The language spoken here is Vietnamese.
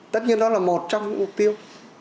tất nhiên đó là một trong những mục tiêu